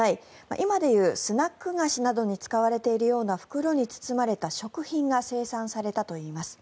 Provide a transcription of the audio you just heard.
今で言うスナック菓子などに使われているような袋に包まれた食品が生産されたといいます。